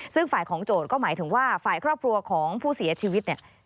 ซึ่งฝ่ายของโจทย์ก็หมายถึงว่าฝ่ายครอบครัวของผู้เสียชีวิตเนี่ย